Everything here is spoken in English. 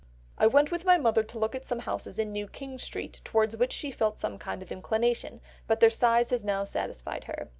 "I went with my mother to look at some houses in New King Street, towards which she felt some kind of inclination, but their size has now satisfied her.